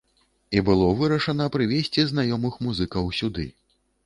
І было вырашана прывезці знаёмых музыкаў сюды.